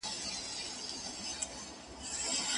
که څېړونکی مخالفت وکړي استاد دې خاماخا ورسره ومني.